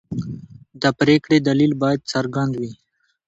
د پرېکړې دلیل باید څرګند وي.